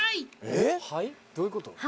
えっ？どういうこと？